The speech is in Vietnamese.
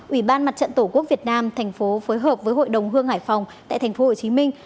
ủy ban mặt trận tổ quốc việt nam thành phố phối hợp với hội đồng hương hải phòng tại thành phố hồ chí minh